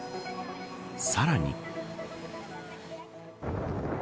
さらに。